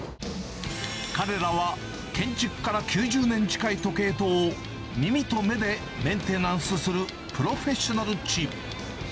彼らは建築から９０年近い時計塔を、耳と目でメンテナンスするプロフェッショナルチーム。